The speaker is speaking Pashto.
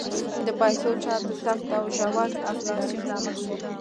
د پیسو چاپ د سخت او ژور انفلاسیون لامل شو.